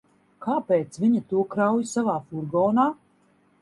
Kāpēc viņa to krauj savā furgonā?